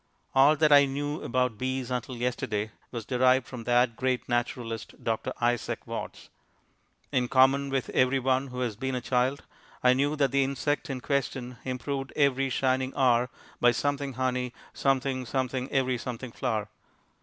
All that I knew about bees until yesterday was derived from that great naturalist, Dr. Isaac Watts. In common with every one who has been a child I knew that the insect in question improved each shining hour by something honey something something every something flower.